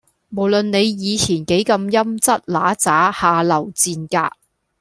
無論你以前幾咁陰騭嗱喳下流賤格